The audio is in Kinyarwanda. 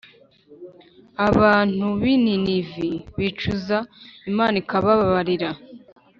abantu b’i ninivi bicuza, imana ikabababarira